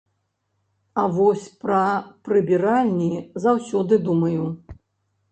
А вось пра прыбіральні заўсёды думаю.